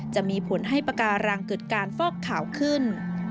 จะมีผลให้ปากการังเกิดการฟอกขาวขึ้น